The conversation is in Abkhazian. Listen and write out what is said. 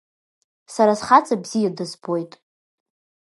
Сара схаҵа бзиа дызбоит.